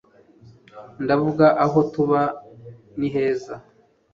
ndavuga aho tuba niheza